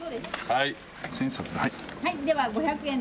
はい。